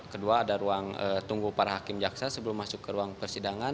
kedua ada ruang tunggu para hakim jaksa sebelum masuk ke ruang persidangan